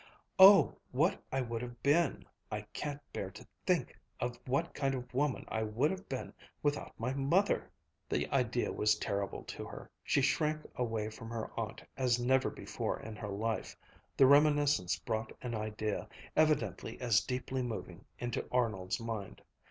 "Oh, what I would have been I can't bear to think of what kind of woman I would have been without my mother!" The idea was terrible to her. She shrank away from her aunt as never before in her life. The reminiscence brought an idea, evidently as deeply moving, into Arnold's mind.